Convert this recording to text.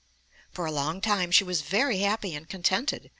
For a long time she was very happy and contented.